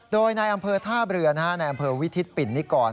โดยในอำเภอท่าเรือในอำเภอวิทิศปิ่นนิกร